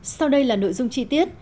sau đây là nội dung chi tiết